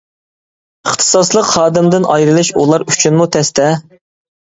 ئىختىساسلىق خادىمدىن ئايرىلىش ئۇلار ئۈچۈنمۇ تەستە.